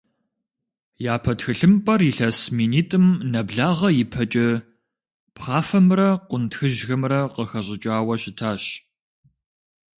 Япэ тхылъымпӏэр илъэс минитӏым нэблагъэ ипэкӏэ пхъафэмрэ къунтхыжьхэмрэ къыхащӏыкӏауэ щытащ.